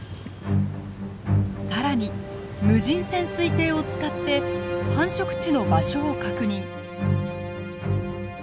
更に無人潜水艇を使って繁殖地の場所を確認。